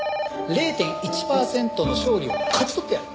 ０．１パーセントの勝利を勝ち取ってやる。